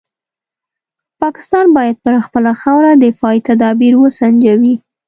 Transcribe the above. پاکستان باید پر خپله خاوره دفاعي تدابیر وسنجوي.